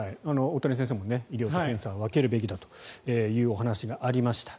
大谷先生も医療と検査は分けるべきだというお話がありました。